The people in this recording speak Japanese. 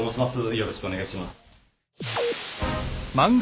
よろしくお願いします。